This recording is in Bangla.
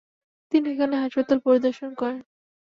তিনি এখানে হাসপাতাল পরিদর্শন করেন।